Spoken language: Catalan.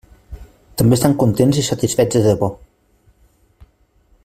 També estan contents i satisfets de debò.